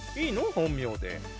本名で。